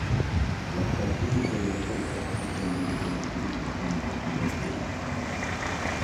Las partes inferiores del cuerpo son de un color gris anaranjado claro.